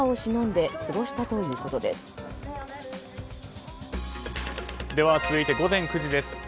では、続いて午前９時です。